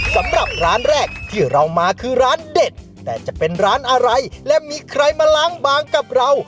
สำหรับร้านแรกที่เรามาคือร้านเด็ดแต่จะเป็นร้านอะไรและมีใครมาล้างบางกับเรา